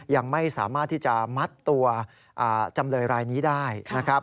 ยังไม่สามารถที่จะมัดตัวจำเลยรายนี้ได้นะครับ